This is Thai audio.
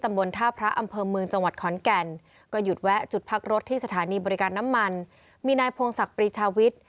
ท่าพระอำเภอเมืองจังหวัดขอนแก่นก็หยุดแวะจุดพักรถที่สถานีบริการน้ำมันมีนายพงศักดิ์ปรีชาวิทย์